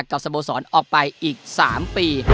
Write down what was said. กับสะโบสรออกไปอีก๓ปี